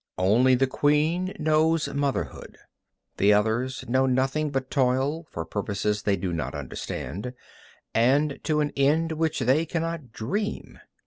Only the queen knows motherhood. The others know nothing but toil, for purposes they do not understand, and to an end of which they cannot dream.